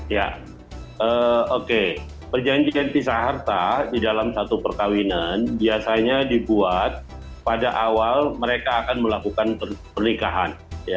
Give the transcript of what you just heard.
ya oke perjanjian pisah harta di dalam satu perkawinan biasanya dibuat pada awal mereka akan melakukan pernikahan